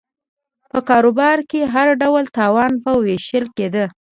په کاروبار کې هر ډول تاوان به وېشل کېده